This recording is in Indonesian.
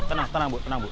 oke bu tenang bu tenang bu